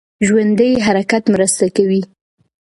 ژوندی حرکت مرسته کوي.